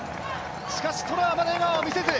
しかし、トラはまだ笑顔を見せず。